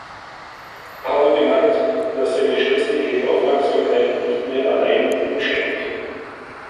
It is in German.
Paul bemerkt, dass seine Schwester ihre Aufmerksamkeit nicht mehr allein ihm schenkt.